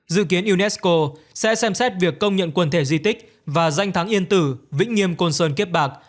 dự kiến unesco sẽ xem xét việc công nhận quần thể di tích và danh thắng yên tử vĩnh nghiêm côn sơn kiếp bạc